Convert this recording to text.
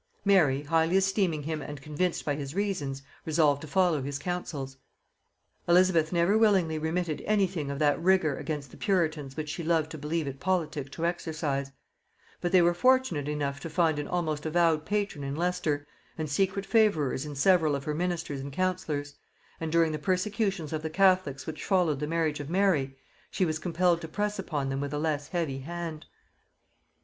Mary, highly esteeming him and convinced by his reasons, resolved to follow his counsels. Elizabeth never willingly remitted any thing of that rigor against the puritans which she loved to believe it politic to exercise; but they were fortunate enough to find an almost avowed patron in Leicester, and secret favorers in several of her ministers and counsellors; and during the persecutions of the catholics which followed the marriage of Mary, she was compelled to press upon them with a less heavy hand.